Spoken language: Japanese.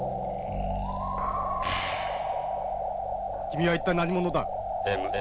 君は一体何者だ。